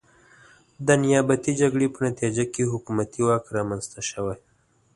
د نیابتي جګړې په نتیجه کې حکومتي واک رامنځته شوی.